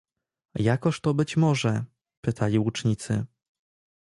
Jakoż to być może? — pytali łucznicy.